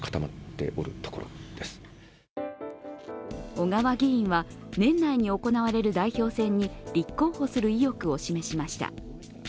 小川議員は年内に行われる代表選に立候補する意欲を示しました。